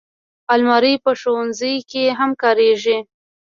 الماري په ښوونځي کې هم کارېږي